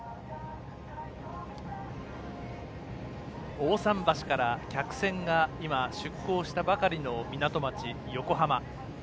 大さん橋から客船が今、出航したばかりの港町・横浜。